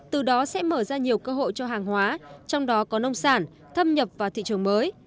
từ đó sẽ mở ra nhiều cơ hội cho hàng hóa trong đó có nông sản thâm nhập vào thị trường mới